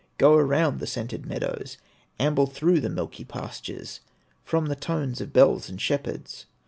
Go around the scented meadows, Amble through the milky pastures, From the tones of bells and shepherds.